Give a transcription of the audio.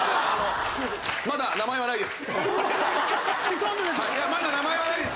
まだ名前はないです！